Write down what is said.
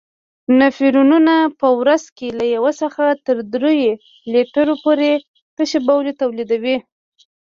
نفرونونه په ورځ کې له یو څخه تر دریو لیترو پورې تشې بولې تولیدوي.